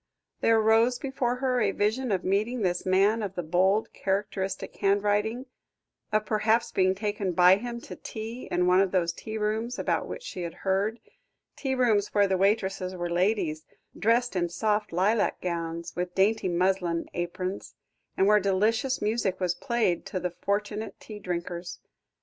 There rose before her a vision of meeting this man of the bold, characteristic handwriting of perhaps being taken by him to tea in one of those tea rooms about which she had heard tea rooms where the waitresses were ladies, dressed in soft lilac gowns, with dainty muslin aprons, and where delicious music was played to the fortunate tea drinkers.